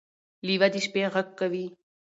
لیوه د شپې غږ کوي.